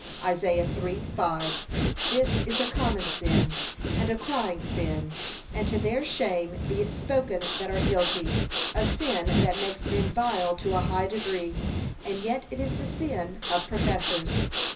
(Isa. 3:5) This is a common sin, and a crying sin, and to their shame be it spoken that are guilty; a sin that makes men vile to a high degree, and yet it is the sin of professors.